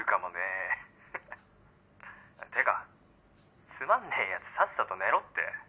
「てかつまんねぇヤツさっさと寝ろって」